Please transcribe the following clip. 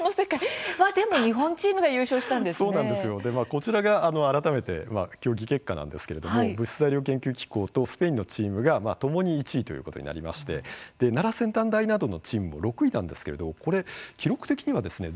こちらが改めて競技結果なんですけれども物質・材料研究機構とスペインのチームがともに１位ということになりまして奈良先端大などのチームも６位なんですけれどこれ、記録的にはですね